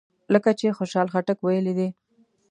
لکه چې خوشحال خټک ویلي دي.